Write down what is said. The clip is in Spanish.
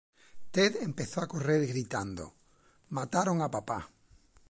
Tad empezó a correr gritando, "Mataron a papá!